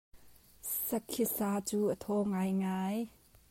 Sakhi sa cu a thaw ngaingai.